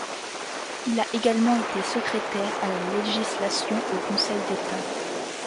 Il a également été secrétaire à la législation au Conseil d’État.